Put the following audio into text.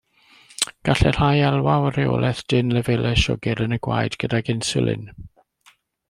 Gallai rhai elwa o reolaeth dynn lefelau siwgr yn y gwaed gydag inswlin.